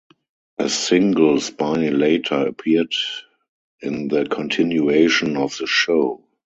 A single Spiny later appeared in the continuation of the show.